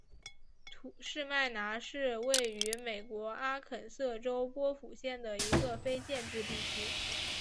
士麦拿是位于美国阿肯色州波普县的一个非建制地区。